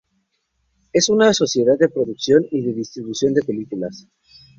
Es una sociedad de producción y de distribución de películas.